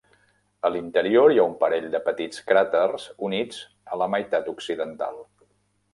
A l'interior hi ha un parell de petits cràters units a la meitat occidental.